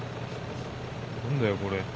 何だよこれ。